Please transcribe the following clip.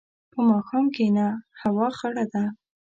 په ماښام کښېنه، هوا خړه ده.